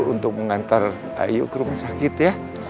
untuk mengantar ayu ke rumah sakit ya